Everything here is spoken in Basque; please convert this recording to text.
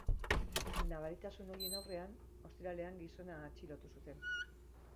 Nabaritasun horien aurrean, ostiralean gizona atxilotu zuten.